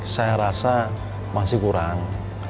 saya rasa masih kurang